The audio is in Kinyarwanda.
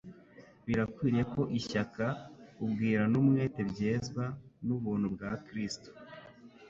Birakwiriye ko ishyaka, ubwira n'umwete byezwa n'ubuntu bwa Kristo